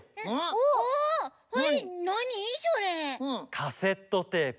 カセットテープ。